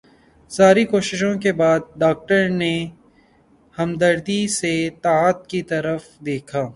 ساری کوششوں کے بعد ڈاکٹر نے ہمدردی سے طلعت کی طرف دیکھا